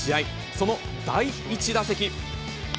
その第１打席。